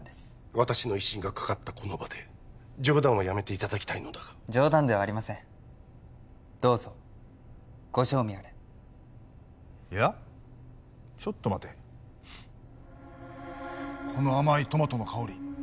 私の威信がかかったこの場で冗談はやめていただきたいのだが冗談ではありませんどうぞご賞味あれいやちょっと待てこの甘いトマトの香り